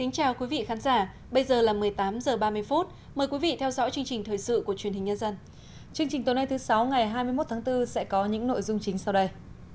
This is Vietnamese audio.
chương trình tối nay thứ sáu ngày hai mươi một tháng bốn sẽ có những nội dung chính sau đây